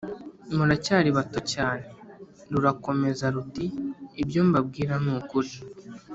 muracyari bato cyane!» rurakomeza ruti «ibyo mbabwira ni ukuli,